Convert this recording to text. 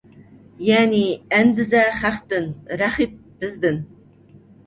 يەنى، ئەندىزە خەقتىن، رەخت بىزدىن.